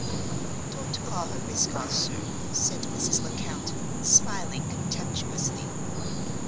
"Don't call her Miss Garth, sir," said Mrs. Lecount, smiling contemptuously.